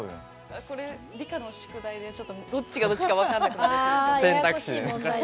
これ、理科の宿題でどっちがどっちか分からなくなるやつ。